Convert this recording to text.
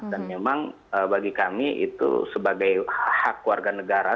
dan memang bagi kami itu sebagai hak warga negara